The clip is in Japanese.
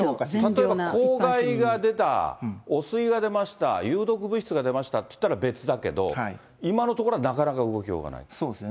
公害が出た、汚水が出ました、有毒物質が出ましたと言ったら別だけど、今のところはなかなか動そうですね。